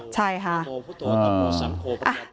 ใช่ค่ะ